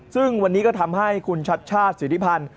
ซึ่งวันนี้ก็ทำให้คุณชัดชาติสิทธิพันธ์